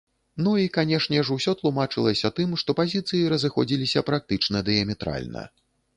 Ну, і канешне ж, усё тлумачылася тым, што пазіцыі разыходзіліся практычна дыяметральна.